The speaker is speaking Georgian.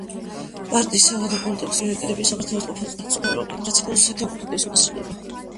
პარტიის საგარეო პოლიტიკის პრიორიტეტებია საქართველოს თვითმყოფადობის დაცვა, ევროპული ინტეგრაცია და რუსეთთან კონფლიქტების მოწესრიგება.